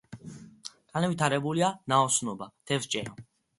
განვითარებულია ნაოსნობა, თევზჭერა.